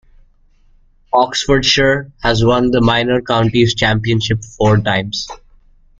Oxfordshire has won the Minor Counties Championship four times.